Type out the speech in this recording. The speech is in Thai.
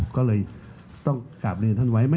ก็เลยต้องกราบเรียนท่านไว้